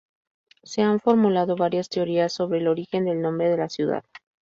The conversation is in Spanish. Se han formulado varias teorías sobre el origen del nombre de la ciudad.